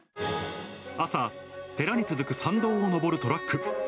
朝、寺に続く参道を上るトラック。